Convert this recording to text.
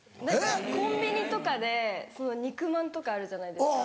コンビニとかで肉まんとかあるじゃないですか。